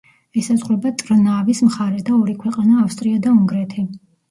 ესაზღვრება ტრნავის მხარე და ორი ქვეყანა ავსტრია და უნგრეთი.